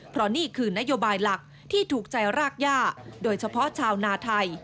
เพราะนี่คือนโยบายหลักที่ถูกใจรากย่าโดยเฉพาะชาวนาไทย